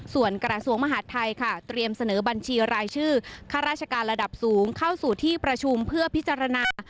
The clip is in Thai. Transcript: ส่วนกระทรวงมหาดไทยค่ะเตรียมเสนอบัญชีรายชื่อข้าราชการระดับสูงเข้าสู่ที่ประชุมเพื่อพิจารณา